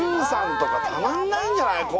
ＹＯＵさんとかたまんないんじゃない？